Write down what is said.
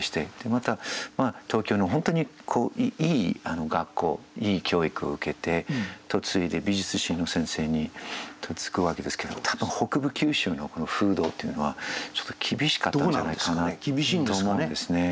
また東京の本当にいい学校いい教育を受けて嫁いで美術史の先生に嫁ぐわけですけども多分北部九州の風土っていうのは厳しかったんじゃないかなと思うんですね。